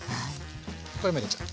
これも入れちゃう。